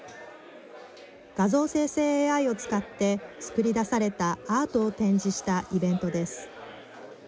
画像生成ＡＩを使って作り出されたアートを展示したイベントです。